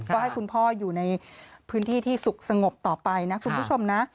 ก็ให้คุณพ่ออยู่ในพื้นที่ที่สุขสงบต่อไปนะคุณผู้ชมนะ